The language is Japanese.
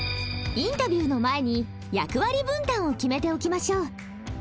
インタビューの前に役割分担を決めておきましょう。